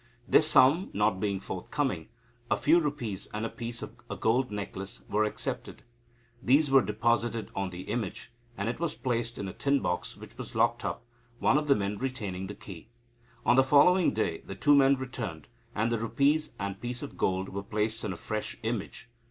This sum not being forthcoming, a few rupees and a piece of a gold necklace were accepted. These were deposited on the image, and it was placed in a tin box, which was locked up, one of the men retaining the key. On the following day the two men returned, and the rupees and piece of gold were placed on a fresh image.